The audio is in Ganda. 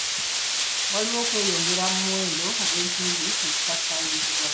Waliwo okweyongera mu muwendo gw'ensimbi ezisaasaanyizibwa.